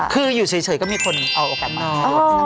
คืออยู่เฉยก็มีคนเอาโอกาสมาโพสต์